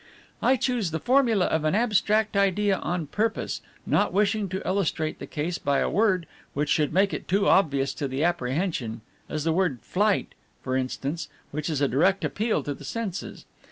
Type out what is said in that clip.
"I chose the formula of an abstract idea on purpose, not wishing to illustrate the case by a word which should make it too obvious to the apprehension, as the word Flight for instance, which is a direct appeal to the senses.